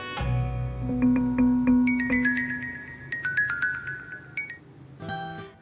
oke aku mau ke sana